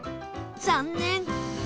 残念